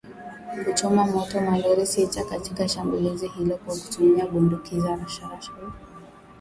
kuchoma moto malori sita katika shambulizi hilo kwa kutumia bunduki za rashasha